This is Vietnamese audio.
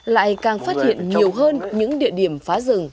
lại càng phát hiện nhiều hơn những địa điểm phá rừng